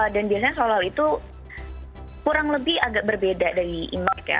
dan biasanya solal itu kurang lebih agak berbeda dari imbad ya